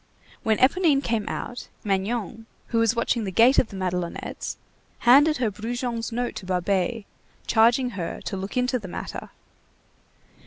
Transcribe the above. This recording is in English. When Éponine came out, Magnon, who was watching the gate of the Madelonettes, handed her Brujon's note to Babet, charging her to look into the matter.